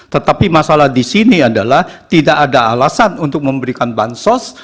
tetapi masalah di sini adalah tidak ada alasan untuk memberikan bansos